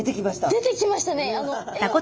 出てきましたね。